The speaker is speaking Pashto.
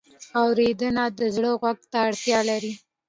اورېدنه د زړه غوږ ته اړتیا لري.